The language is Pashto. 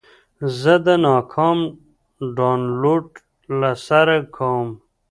زه د ناکام ډاونلوډ له سره کوم.